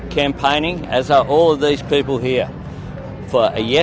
dan banyaknya ini menggantikan